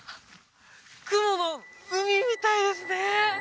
雲の海みたいですね